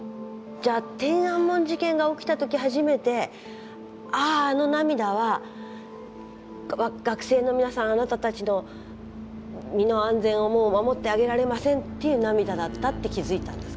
じゃあ天安門事件が起きた時初めてあああの涙は「学生の皆さんあなたたちの身の安全をもう守ってあげられません」っていう涙だったって気付いたんですか。